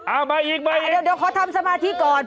อ้าวมาอีกเดี๋ยวเดี๋ยวขอทำสมาธิก่อน